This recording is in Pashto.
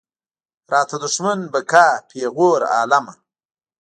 راته دښمن به کا پېغور عالمه.